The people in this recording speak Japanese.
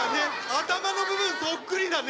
頭の部分そっくりだね。